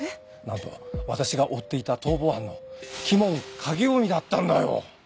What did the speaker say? なんと私が追っていた逃亡犯の鬼門影臣だったんだよ！